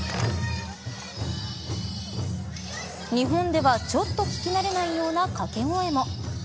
日本では、ちょっと聞き慣れないような掛け声も。